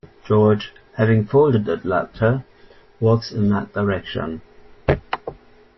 George, having folded the letter, walks in that direction.